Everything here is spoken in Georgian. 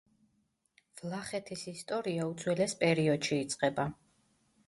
ვლახეთის ისტორია უძველეს პერიოდში იწყება.